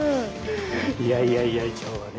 いやいやいや今日はね